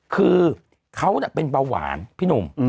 คือเขาเป็นเบาหวานพี่หนุ่ม